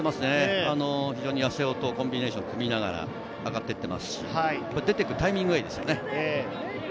非常に八瀬尾とコンビネーション組みながら、上がっていますし、出て行くタイミングがいいですね。